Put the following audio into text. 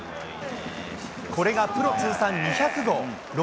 これがプロ通算２００号。